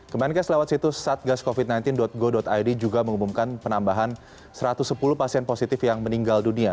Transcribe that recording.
kemenkes lewat situs satgascovid sembilan belas go id juga mengumumkan penambahan satu ratus sepuluh pasien positif yang meninggal dunia